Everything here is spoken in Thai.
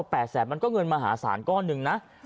๘แสนมันก็เงินมหาศาลก้อนหนึ่งนะ